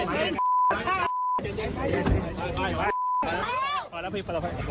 สวัสดีครับคุณผู้ชม